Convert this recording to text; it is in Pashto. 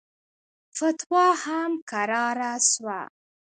فتوا هم کراره سوه.